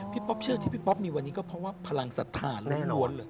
ป๊อปเชื่อที่พี่ป๊อปมีวันนี้ก็เพราะว่าพลังศรัทธาล้วนเลย